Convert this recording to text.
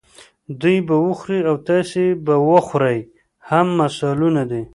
دوی به وخوري او تاسې به وخورئ هم مثالونه دي.